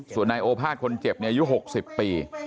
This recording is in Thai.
ส่วนในโอภาษณ์คนเจ็บในอายุ๖๐ปี